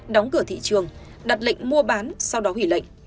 đóng cửa thị trường đặt lệnh mua bán sau đó hủy lệnh